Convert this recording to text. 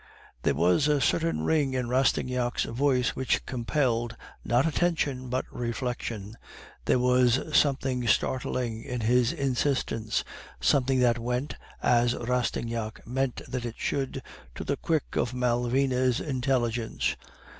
"There was a certain ring in Rastignac's voice which compelled, not attention, but reflection. There was something startling in his insistence; something that went, as Rastignac meant that it should, to the quick of Malvina's intelligence.